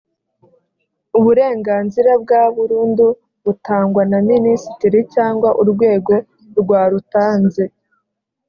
uburenganzira bwa burundu butangwa na minisitiri cyangwa urwego rwarutanze